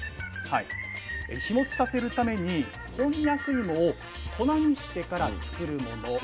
日持ちさせるためにこんにゃく芋を粉にしてから作るもの。